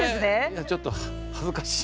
「いやちょっと恥ずかしい」。